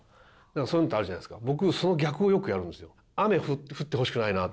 そういうのってあるじゃないですか。